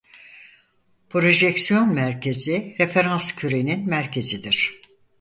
Projeksiyon merkezi referans kürenin merkezidir.